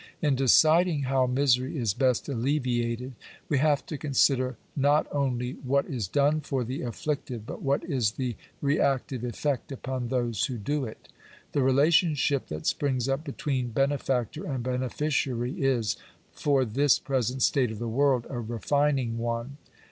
In deciding how misery is best alleviated we have to consider, not only what is done for the afflicted, but what is the reactive effect upon those who do it. The relationship that springs up between be nefactor and beneficiary is, for this present state of the world, a refining one.